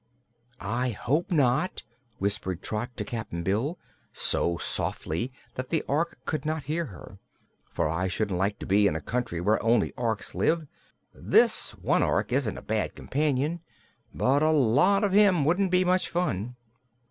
"I hope not," whispered Trot to Cap'n Bill so softly that the Ork could not hear her "for I shouldn't like to be in a country where only Orks live. This one Ork isn't a bad companion, but a lot of him wouldn't be much fun."